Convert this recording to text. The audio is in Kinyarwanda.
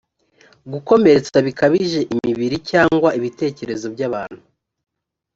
gukomeretsa bikabije imibiri cyangwa ibitekerezo by abantu